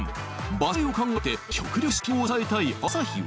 バス代を考えて極力出費を抑えたい朝日は。